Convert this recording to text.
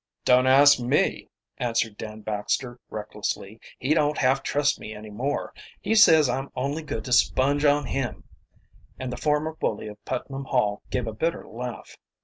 "Don't ask me," answered Dan Baxter recklessly. "He don't half trust me any more. He says I'm only good to sponge on him," and the former bully of Putnam Hall gave a bitter laugh.